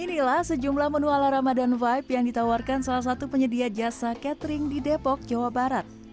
inilah sejumlah menu ala ramadan vibe yang ditawarkan salah satu penyedia jasa catering di depok jawa barat